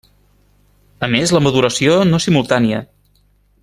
A més la maduració no és simultània.